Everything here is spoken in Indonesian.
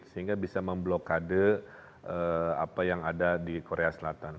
sehingga bisa memblokade apa yang ada di korea selatan